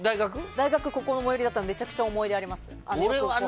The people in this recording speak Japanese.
大学はここが最寄りだったのでめちゃくちゃ思い入れあります。